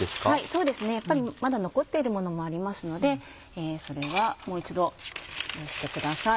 そうですねまだ残っているものもありますのでそれはもう一度してください。